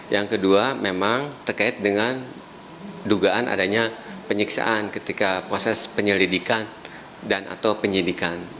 yang kedua memang terkait dengan dugaan adanya penyiksaan ketika proses penyelidikan dan atau penyidikan